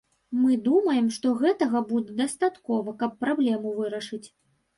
Мы думаем, што гэтага будзе дастаткова, каб праблему вырашыць.